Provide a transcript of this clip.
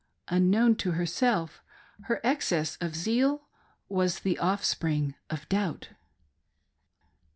Unknown to herself her excess of zeal was the offspring of doubt.